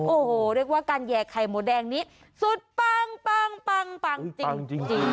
โอ้โหเรียกว่าการแยกไข่หมูแดงนี้สุดปังจริง